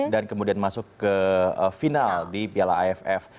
dan kemudian masuk ke final di piala aff